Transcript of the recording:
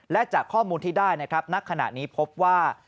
และจากข้อมูลที่ได้นะครับณขณะนี้พบว่า